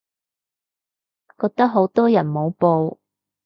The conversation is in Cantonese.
覺得好多人冇報